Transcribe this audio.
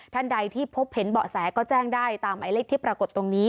ท่านใดที่พบเห็นเบาะแสก็แจ้งได้ตามหมายเลขที่ปรากฏตรงนี้